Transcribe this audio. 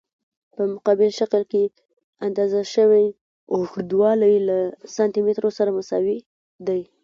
په مقابل شکل کې اندازه شوی اوږدوالی له سانتي مترو سره مساوي دی.